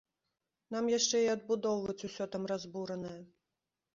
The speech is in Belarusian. Нам яшчэ і адбудоўваць усё там разбуранае!